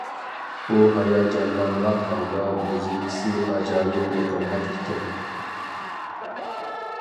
ئۇ ھاياجانلانغان ھالدا: مۇزىكىسى ئاجايىپ يېقىملىق ئىكەن!